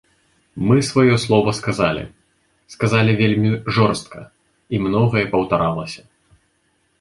Мы сваё слова сказалі, сказалі вельмі жорстка, і многае паўтаралася.